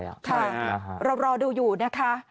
เรารอดูอยู่นะคะ